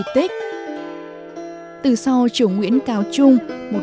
từ sau triều nguyễn cao trung